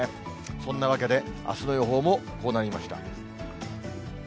そんなわけで、あすの予報もこうなりました。